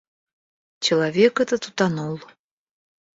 Человек этот утонул.